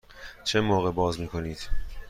چه موقع باز می کنید؟